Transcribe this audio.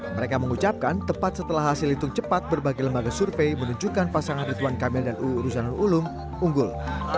mereka mengucapkan tepat setelah hasil hitung cepat berbagai lembaga survei menunjukkan pasangan ridwan kamil dan uu ruzanul ulum unggul